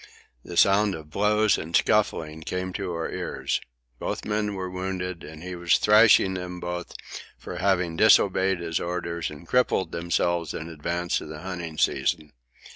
The sound of blows and scuffling came to our ears. Both men were wounded, and he was thrashing them both for having disobeyed his orders and crippled themselves in advance of the hunting season.